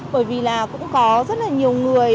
bởi vì là cũng có rất là nhiều người